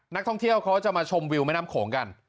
นักท่องเที่ยวเขาจะมาชมวิวแม่น้ำโขงกัน